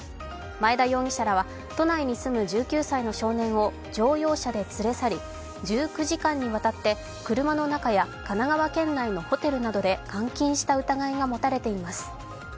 前田容疑者らは都内に住む１９歳の少年を乗用車で連れ去り１９時間にわたって車の中や神奈川県内のホテルなどで監禁した疑いが持たれています。